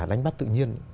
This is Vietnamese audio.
đánh bắt tự nhiên